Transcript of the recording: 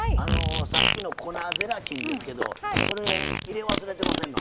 さっきの粉ゼラチンですけどそれ入れ忘れてませんの？